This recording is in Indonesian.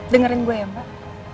dengerin gue ya mbak